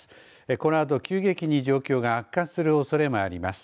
このあと急激に状況が悪化するおそれもあります。